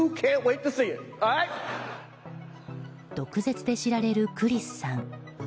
毒舌で知られるクリスさん。